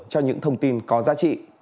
cho những thông tin có giá trị